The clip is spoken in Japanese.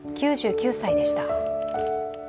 ９９歳でした。